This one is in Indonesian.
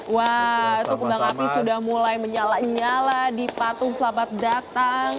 wah itu kembang api sudah mulai menyala nyala di patung selamat datang